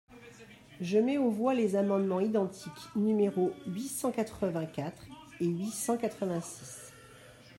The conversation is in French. Je mets aux voix les amendements identiques numéros huit cent quatre-vingt-quatre et huit cent quatre-vingt-six.